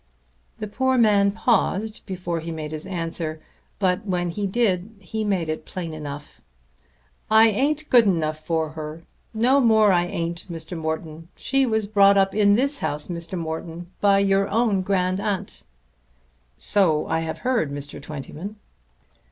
The poor man paused before he made his answer; but when he did, he made it plain enough. "I ain't good enough for her! Nor more I ain't, Mr. Morton. She was brought up in this house, Mr. Morton, by your own grand aunt." "So I have heard, Mr. Twentyman."